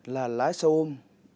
là lái sâu ôm